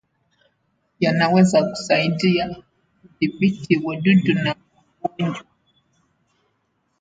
yanaweza kusaidia kudhibiti wadudu na magonjwa.